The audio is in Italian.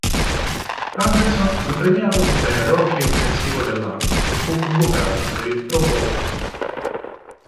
Anderson fu premiato come rookie offensivo dell'anno e fu convocato per il Pro Bowl.